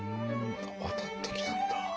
渡ってきたんだ。